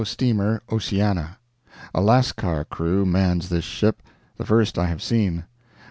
steamer 'Oceana'. A Lascar crew mans this ship the first I have seen.